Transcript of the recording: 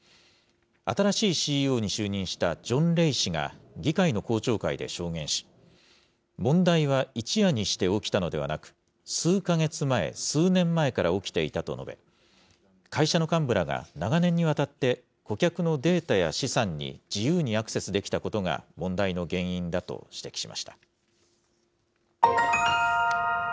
新しいＣＥＯに就任したジョン・レイ氏が、議会の公聴会で証言し、問題は一夜にして起きたのではなく、数か月前、数年前から起きていたと述べ、会社の幹部らが長年にわたって、顧客のデータや資産に自由にアクセスできたことが問題の原因だと指摘しました。